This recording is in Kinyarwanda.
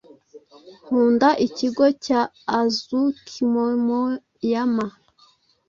Nkunda Ikigo cya Azuchimomoyama.